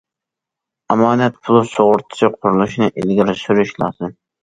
ئامانەت پۇل سۇغۇرتىسى قۇرۇلۇشىنى ئىلگىرى سۈرۈش لازىم.